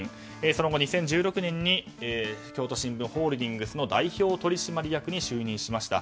その後、２０１６年に京都新聞ホールディングスの代表取締役に就任しました。